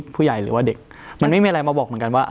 หรือว่าผู้ใหญ่หรือว่าเด็กมันไม่มีอะไรมาบอกเหมือนกันว่า